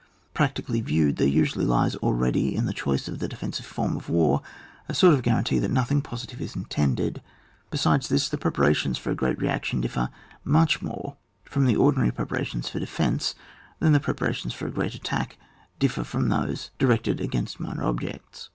Practi cally viewed, there usually lies already in the choice of the defensive form of war a sort of guarantee that nothing positive is intended; besides this, the preparations for a great reaction differ much more from the ordinary prepara tions for defence than the preparations for a great attack differ from those di rected against minor objects.